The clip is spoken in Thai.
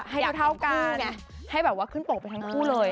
อยากเห็นคู่ไง